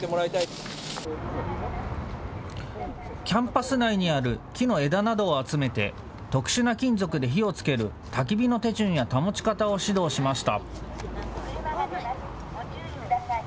キャンパス内にある木の枝などを集めて特殊な金属で火をつけるたき火の手順や保ち方を指導しました。